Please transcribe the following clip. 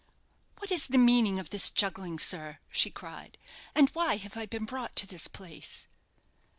"What is the meaning of this juggling, sir?" she cried; "and why have I been brought to this place?"